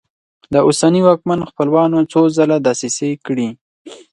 د اوسني واکمن خپلوانو څو ځله دسیسې کړي.